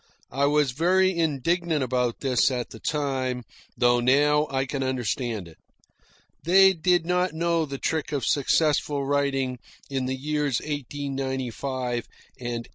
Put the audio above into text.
I was very indignant about this at the time; though now I can understand it. They did not know the trick of successful writing in the years 1895 and 1896.